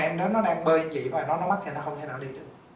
em bé đó nó đang bơi vậy và nó mất thì nó không thể nào đi được